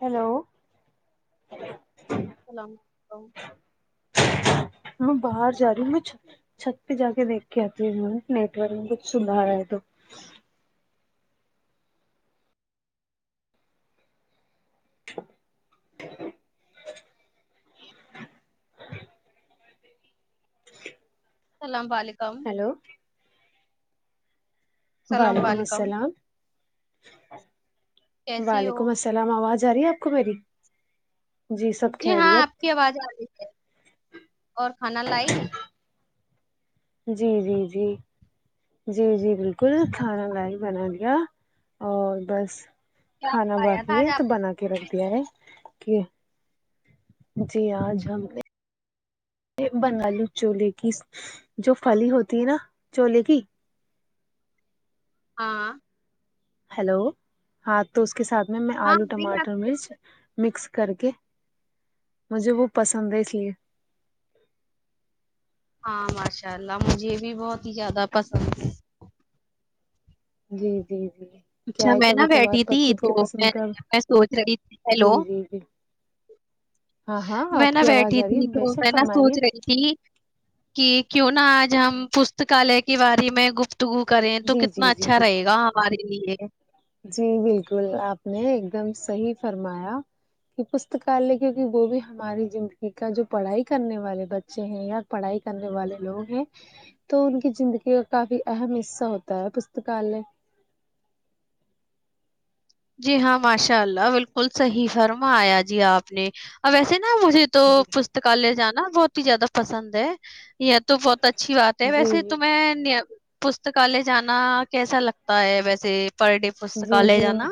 hello ہاں جی السلام علیکم میں باہر جا رہی ہ میں چھت پہ جا کے دیکھ کے آتی ہے نیٹورک بھی کچھ سدار ہے تو اچ سلام وعلیکم ہیلو السلام وعلیکم علیکم السلام کیسی ہو وعلیکم السلام آواز آرہی ہے آپ کو میری سب جی ہاں آپ خیریت کی آواز آرہی ہے اور کھانا لائی جی جی جی جی جی بالکل کھانا لائی بنادیا اور بس کیا کھانا کھایا تھا باقی آج ہے آپ تو بنا کے رکھ دیا ہے کی جی آج ہم نے ا یک بنگالی چھولے کی جو پھلی ہوتی ہے نا چھولے کی ہاں ہیلو ہاں تو اس کے ساتھ میں میں ہاں آلو نہیں آپ ٹماٹر مرچ مسک کر کے مجھے وہ پسند ہے اس لیے ہاں ماشاء اللہ مجھے یہ بھی بہت ہی زیادہ پسند ہے جی جی جی کیا اچھا ہے میں کبھی نا کبھار بیٹھی پر تھی خود کے تو میں پسند کر نے میں سوچ رہی تھی جی ہیلو جی جی ہاں ہاں میں آپ نہ کی آواز بیٹھی آ رہی ہے تھی بے تو شک میں نا فرمائیے سوچ رہی کی کی کیوں نہ آج ہم پستکالیہ کے بارے میں گیفت گفتگو کریں تو جی کتنا جی جی اچھا رہے بالکل گا ہمارے لیے جی بالکل آپ نے ایک دم صحیح فرمایا کہ پستکالیہ کیونکہ وہ بھی ہماری زندگی کا جو پڑھائی کرنے والے بچے ہیں یا پڑھائی کرنے والے لوگ ہیں تو ان کی زندگی کا کافی اہم حصہ ہوتا ہے پستکالیہ جی ہاں ماشاء اللہ بالکل صحیح فرما آیا جی آپ نے اب ویسے نا مجھے تو جی پستکالے جانا بہت ہی زیادہ پسند ہے یا تو بہت اچھی بات ہے جی جی ویسےتو میں انڈیا ک پستکالے جانا کیسا لگتا ہے ویسے پر ڈے جی پستکالیہ جی جانا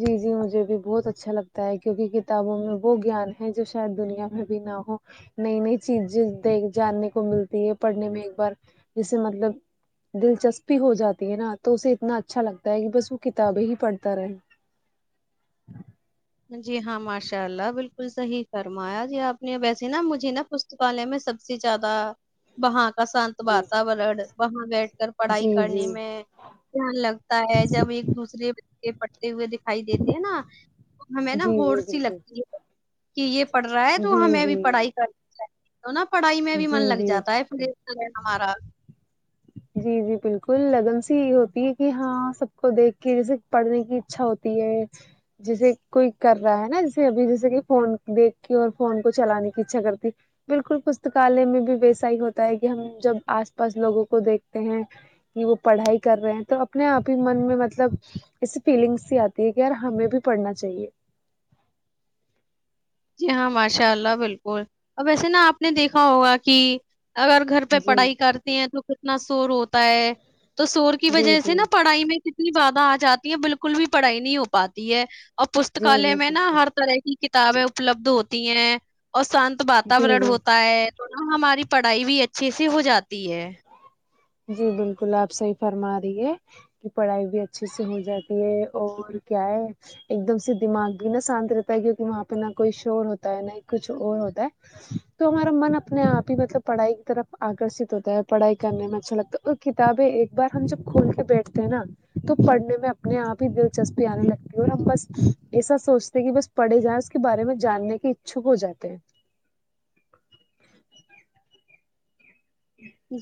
جی جی مجھے بھی بہت اچھا لگتا ہے کیونکہ کتابوں میں وہ گیان ہے جو شاید دنیا میں بھی نہ ہو نئی نئی چیزیں دیکھ جاننے کو ملتی ہے پڑھنے میں ایک بار جیسے مطلب دلچسپی ہو جاتی ہے نا تو اسے اتنا اچھا لگتا ہے کہ بس وہ کتابیں ہی پڑھتا رہیں جی ہاں ماشاء اللہ بالکل صحیح فرمایا جی آپ نے ویسے نا مجھے نا پوست کالے میں سب سے زیادہ وہاں کا شانت جی واداوڑین وہاں بیٹھ اگر پڑھائی جی کرنے جی میں دھیان لگتا ہے جب ایک دوسرے سے پڑھائی کر دیتے ہوئے دکھائی دیتے ہیں نا ہمیں نا جی ہوڑ جی سی بالکل لگتی ہے کہ یہ پڑھ رہا ہے تو جی ہمیں بھی جی پڑھائی کر نی ہے تو نا پڑھائی میں جی بھی من جی لگ جاتا ہے بالکل پھر ارے ہمارا جی جی بالکل لگن سی یہ ہوتی ہے کہ ہاں سب کو دیکھ کے جیسے پڑھنے کی ہچا ہوتی ہے جیسے کوئی کر رہا ہے نا جیسے ابھی جیسے کہ فون دیکھ کے اور فون کو چلانے کی ہچا کرتی بالکل پستکالیہ میں بھی ویسا ہی ہوتا ہے کہ ہم جب آس پاس لوگوں کو دیکھتے ہیں کہ وہ پڑھائی کر رہے ہیں تو اپنے آپ ہی من میں مطلب اسی فللینگس سی آتی ٹھیک ہے یار ہمیں بھی پڑھنا چاہیے جی ہاں ماشاء اللہ بالکل اب ویسے نا آپ نے دیکھا ہوگا کہ اگر گھر پہ جی پڑھائی کرتی ہیں تو کتنا شور ہوتا ہے تو شور کی جی وجہ سے جی نا پڑھائی میں انی بدا آ جاتی ہے بالکل بھی پڑھائی نہیں ہو پاتی ہے اور جی پستکالیہ جی میں نا بالکل ہر طرح کی کتابیں اپلت ہوتی ہیں اور شانت جی واتاوارٹت جی ہوتا ہے اور نا ہماری پڑھائی بھی اچھے سے ہو جاتی ہے جی بالکل آپ صحیح فرما رہی ہے کی پڑھائی بھی اچھے سے ہو جاتی ہے اور کیا ہے ایک دم سے دماغ بھی نا شانت رہتا ہے کیونکہ وہاں پہ نہ کوئی شور ہوتا ہے نہ کچھ اور ہوتا ہے تو ہمارا من اپنے آپ ہی مطلب پڑھائی کی طرف اگرشیت ہوتا ہے پڑھائی کرنے میں اچھا لگتا ہے وہ کتابیں ایک بار ہم جب کھول کے بیٹھتے ہیں نا تو پڑھنے میں اپنے آپ ہی دلچسپی آنے لگتی ہے اور ہم بس ایسا سوچتے ہیں کہ بس پڑھے جائیں اس کے بارے میں جاننے کے اچھک ہو جاتے ہیں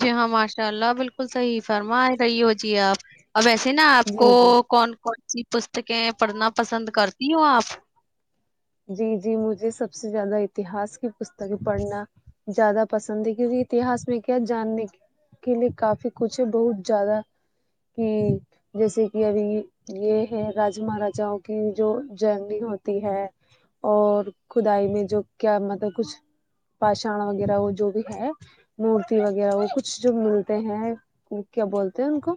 جی ہاں ماشاء اللہ بالکل صحیح فرما رہی ہو جی آپ ا ویسے نا آپ کو جی جی کون کون سی پستکیں پڑھنا پسند کرتی ہوں آپ جی جی مجھے سب سے زیادہ اتہاس کی پستکیں پڑھنا زیادہ پسند ہے کیونکہ اتہاس میں کیا جاننے کے لیے کافی کچھ ہے بہت زیادہ کی جیسے کہ ابھی یہ ہے راج مہاراجاؤ کی جو جرنی ہوتی ہے اور کھدائی میں جو کیا مطلب کچھ پاشاان وغیرہ وہ جو بھی ہے مورتی وغیرہ وہ کچھ جو ملتے ہیں کیا بولتے ہیں ان کو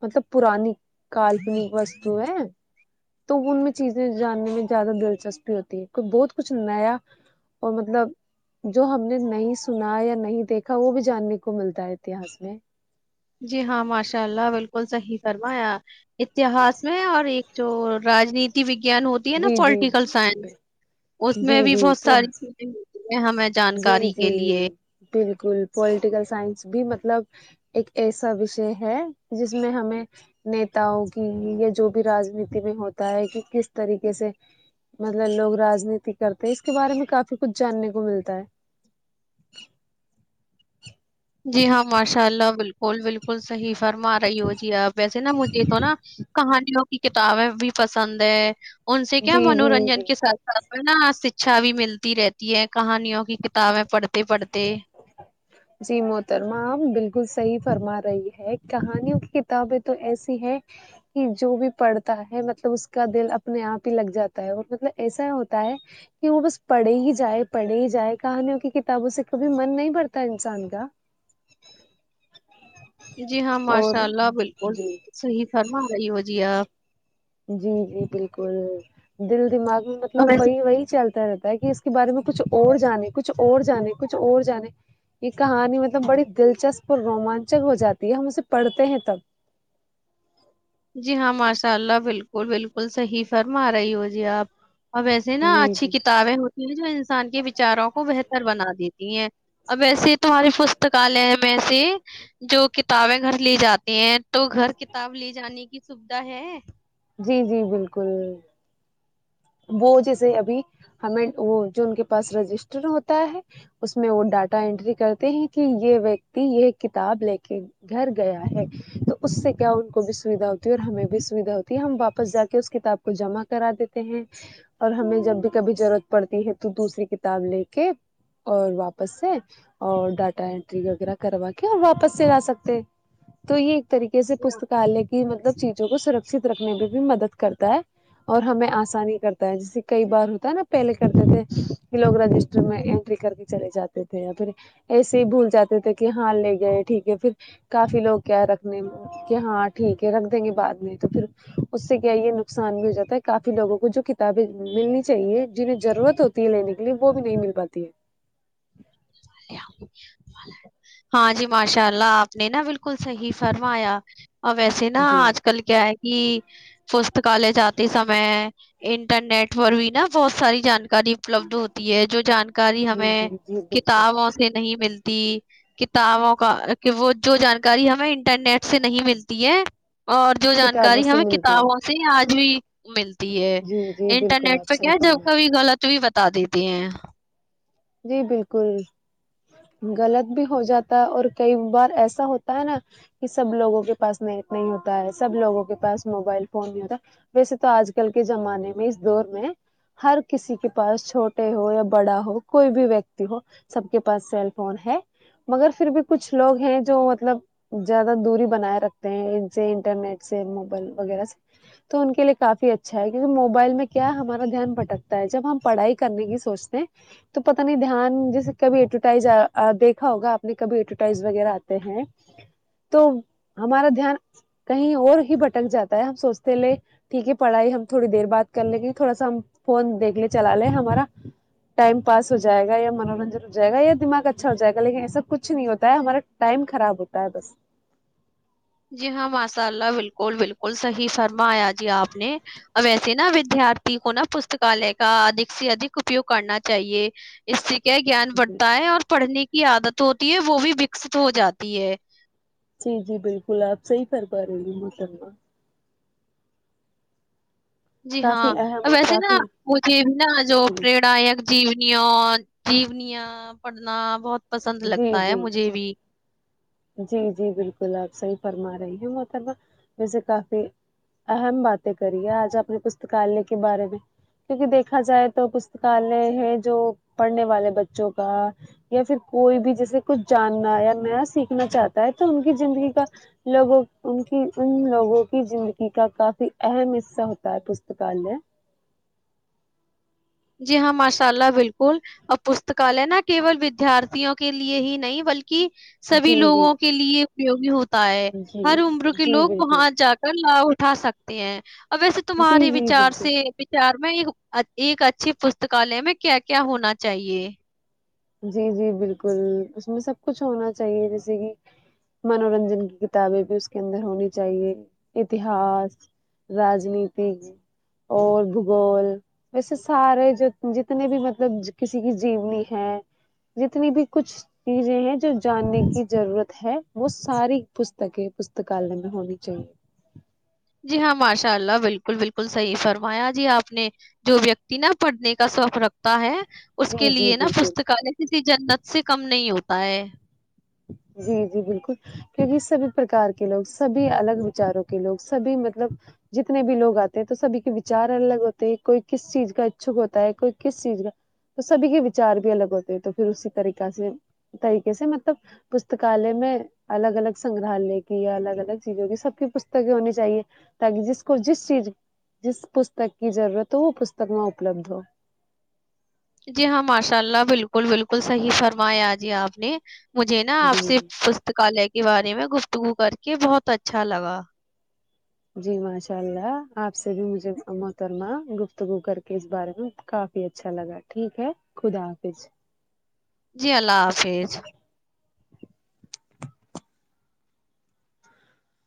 مطلب پرانی کاالپنک وستو ہے تو ان میں چیزیں جاننے میں زیادہ دلچسپی ہوتی ہے بہت کچھ نیا اور مطلب جو ہم نے نہیں سنا یا نہیں دیکھا وہ بھی جاننے کو ملتا ہے اتہاس میں جی ہاں ماشاء اللہ بالکل صحیح فرمایا اتہاس میں اور ایک جو راجنیتی وگان ہو ہے نا جی جی پالیٹیکل جی سائنس اس میں بھی جی بہت ساری چیزیں ہمیں جی جانکاری جی کے لیے بالکل پولیٹیکل سائنس بھی مطلب ایک ایسا وشے ہے جس میں ہمیں نیتاؤ کی یا جو بھی راجنیتی میں ہوتا ہے کہ کس طریقے سے مطلب لوگ راجنیتی کرتے اس کے بارے میں کافی کچھ جاننے کو ملتا ہے جی ہاں ماشاء اللہ بالکل بالکل صحیح فرما رہی ہو جی آپ ویسے نا مجھے تو نا کہانیوں کی کتابیں بھی پسند ہے ان سے کیا جی جی منورنجن جی کے ساتھ نا شکچھا بھی ملتی رہتی ہے کہانیوں کی کتابیں پڑھتے پڑھتے جی محترمہ آپ بالکل صحیح فرما رہی ہے کہانیوں کی کتابیں تو ایسی ہے کہ جو بھی پڑھتا ہے مطلب اس کا دل اپنے آپ ہی لگ جاتا ہے اور مطلب ایسا ہوتا ہے کہ وہ بس پڑھے ہی جائے پڑھے ہی جائے کہانیوں کی کتابوں سے کبھی من نہیں بھرتا تا انسان کا جی ہاں اور ماشاء اللہ بالکل جی صحی فرما رہی ہو جی آپ جی جی بالکل دل دماغ میں اور مطلب ویسے وہی وہی چلتا رہتا ہے کہ اس کے بارے میں کچھ اور جانے کچھ اور جانے کچھ اور جانے یہ کہانی مطلب بڑی دلچسپ اور رومانچک ہو جاتی ہے ہم اسے پڑھتے ہیں تب جی ہاں ماشاء اللہ بالکل بالکل صحیح فرما رہی ہو جی آپ اب ویسے نا جی اچھی جی کتابیں ہوتی ہیں جو انسان کے وچاروں کو بہتر بنا دیتی ہیں ا ویسیے تمہاری پستکالیہ میسے جو کتابیں گھر لی جاتی ہیں تو گھر کتاب لے جانے کی سویدھا ہے جی جی بالکل وہ جیسے ابھی ہمیں وہ جو ان کے پاس رجسٹر ہوتا ہے اس میں وہ ڈاٹا انینٹری کرتے ہیں کہ یہ ویکتی یہ کتاب لے کے گھر گیا ہے تو اس سے کیا ان کو بھی سویدھا ہوتی ہے اور ہمیں بھی سویدھا ہوتی ہے ہم واپس جا کے اس کتاب کو جمع کرا دیتے اور ہمیں جب بھی کبھی ضرورت پڑتی ہے تو دوسری کتاب لے کے اور واپس سے اور ڈاٹا انینٹری وغیرہ کروا کے اور واپس سے لا سکتےہے تو یہ ایک طریقے سے جی پستکالے یہ مطلب چیزوں کو سرکشت رکھنے میں بھی مدد کرتا ہے اور ہمیں آسا آسانی کرتا ہے جیسے کئی بار ہوتا ہے نا پہلے کرتے تھے کہ لوگ رجسٹر میں انینٹری کر کے چلے جاتے تھے یا پھر ایسے ہی بھول جاتے تھے کہ ہاں لے گئے ٹھیک ہے پھر کافی لوگ کیا ہے رکھنے میں کہ ہاں ٹھیک ہے رکھ دیں گے بعد میں تو پھر اس سے کیا یہ نقصان بھی ہو جاتا ہے کافی کہ لوگوں کو جو کتابیں ملنی چاہیے جنہیں ضرورت ہوتی ہے لینے کے لیے وہ بھی نہیں مل پاتی ہے ہاں جی ماشاء اللہ آپ نے نا بالکل صحی فرمایا ا ویسے نا ہے جی آج کل کیا ہے کہ پستکالے جاتے سمے انٹرنیٹ پر بھی نا بہت ساری جانکاری اپلبد ہوتی ہے جو جانکاری جی ہمیں جی جی بالکل کتابوں سے نہیں ملتی کتابوں کا کہ وہ جو جانکاری ہمیں انٹرنیٹ سے نہیں ملتی ہے اور جو کتابوں جانکاری سے ہمیں ملتی ہے کتابوں سے آج بھی ملتی ہے جی جی بالکل انٹرنیٹ آپ پہ صحیح کیا فرما جب رہی کبھی ہیں، غلط بھی بتا دیتے ہیں جی بالکل غلط بھی ہو جاتا ہے اور کئی بار ایسا ہوتا ہے نا کہ سب لوگوں کے پاس نیٹ نہیں ہوتا ہے سب لوگوں کے پاس موبائل فون نہیں ہوتا ویسے تو آج کل کے زمانے میں اس دور میں ہر کسی کے پاس چھوٹے ہو یا بڑا ہو کوئی بھی ویکتی ہو سب کے پاس سیل فون ہے مگر پھر بھی کچھ لوگ ہیں جو مطلب زیادہ دوری بنائے رکھتے ہیں ان سے انٹرنیٹ سے موبائل وغیرہ سے تو ان کے لیے کافی اچھا ہے کیونکہ موبائل میں کیا ہمارا دھیان بھکتا ہے جب ہم پڑھائی کرنے کی سوچتے ہیں تو پتا نہیں دھیان جیسے کبھی ایڈورٹائز دیکھا ہوگا آپ نے کبھی ایڈورٹائز وغیرہ آتے ہیں تو ہمارا دھیان کہیں اور ہی بھٹک جاتا ہے ہم سوچتے لے ٹھیک ہے پڑھائی ہم تھوڑی دیر بعد کر لیں گے تھوڑا سا ہم فون دیکھ لے چلا لے ہمارا ٹائم پاس ہو جائے گا یا منورنجن ہو جائے گا یا دماغ اچھا ہو جائے گا لیکن ایسا کچھ نہیں ہوتا ہے ہمارا ٹائم خراب ہوتا ب بس جی ہاں ماشاء اللہ بالکل بالکل صحیح فرمایا جی آپ نے ویسے نا ودارتھی کو نا پستکالے کا ادھک سے ادھک اپیوگ کرنا چاہیے اس سے کیا گیان بڑھتا ہے اور پڑھنے کی عادت ہوتی ہے وہ بھی وکست ہو جاتی ہے جی جی بالکل آپ صحیح فرمارہی ہو محترمہ جی ہاں کافی ا اہم اور ویسے نا کافی مجھے نا جو جی پیریڈ آیا جینیوں جینیاں پڑھنا بہت پسند جی لگتا ہے جی مجھے بھی جی جی بالکل آپ صحیح فرما رہی ہیں محترمہ ویسے کافی اہم باتیں کریے آج اپنے پستکالیہ کے بارے میں کیونکہ دیکھا جائے تو پستکالیہ ہے جو پڑھنے والے بچوں کا یا پھر کوئی بھی جیسے کچھ جانناہے یا نیا سیکھنا چاہتا ہے تو ان کی زندگی کا لوگوں ان کی ان لوگوں کی زندگی کا کافی اہم حصہ ہوتا ہے پستکالیہ جی ہاں ماشاء اللہ بالکل اب پستکالیہ ہینا کیول ودیارتھیوں کے لیے ہی نہیں بلکی سبھی جی جی لوگوں کے لیے اپیوگی ہوتا ہے جی ہر عمر کے جی لوگ بالکل وہاں جا کے ل اٹھا سکتے ہیں اب ویسے جی تمہارے جی وچار بالکل سے وچار میں ایک اچھی پستکالیہ میں کیا کیا ہونا چاہیے جی جی بالکل اس میں سب کچھ ہونا چاہیے جیسے کہ منورنجن کی کتابیں بھی اس کے اندر ہونی چاہیے اتہاس راجنیتی اور بھگول ویسے سارے جتنے بھی مطلب کسی کی جیونی ہے جتنی بھی کچھ چیزیں ہیں جو جاننے کی ضرورت ہے وہ ساری پستکیں پستکالیہ میں ہونی چاہیے جی ہاں ماشاء اللہ بالکل بالکل صحیح فرمایا جی آپ نے جو ویکتی نا پڑھنے کا سوب رکھتا ہے اس کے جی جی لیے نا بالکل پستکالیہ کسی جنت سے کم نہیں ہوتا ہے جی جی بالکل کیونکہ سبھی پرکار کے لوگ سبھی الگ وچاروں کے لوگ سبھی مطلب جتنے بھی لوگ آتے ہیں تو سبھی کے وچار الگ ہوتے ہیں کوئی کس چیز کا اچھک ہوتا ہے کوئی کس چیز کا تو سبھی کے وچار بھی الگ ہوتے ہیں تو پھر اسی طریق سے طریقے سے مطلب مطلب پستکالیہ میں الگ الگ سنگگرہالیہ کی یا الگ الگ چیزوں کی سب کی پستکیں ہونی چاہیے تاکہ جس کو جس چیز جس پستک کی ضرورت ہو وہ پستک وہاں اپلبدھ ہو جی ہاں ماشاء اللہ بالکل بالکل صحیح فرمایا آ جی آپ نے مجھے نا آپ سے جی پستکالیہ کے بارے میں گفتگو کر کے بہت اچھا لگا جی ماشاء اللہ آپ سے بھی مجھے محترمہ گفتگو کر کے اس بارے میں کافی بھی اچھا لگا ٹھیک ہے خدا حافظ جی اللہ حافظ